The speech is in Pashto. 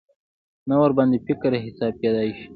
نه ورباندې فکري حساب کېدای شي.